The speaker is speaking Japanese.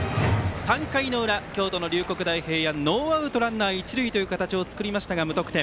３回裏、京都の龍谷大平安ノーアウトランナー、一塁という形を作りましたが無得点。